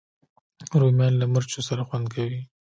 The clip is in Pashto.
رومیان له مرچو سره خوند کوي